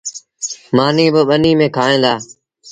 مآݩيٚ با ٻنيٚ ميݩ کآُئيٚن دآ۔